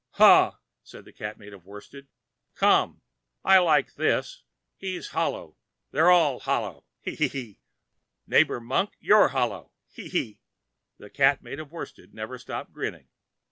"Ha!" said the Cat made of worsted. "Come. I like this. He's hollow. They're all hollow. He! he! Neighbor Monk, you're hollow. He! he!" and the Cat made of worsted never stopped grinning.